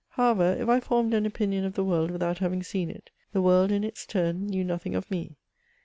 However, if I formed an opinion of the world without having seen it, the world, in its turn, knew nothing of me.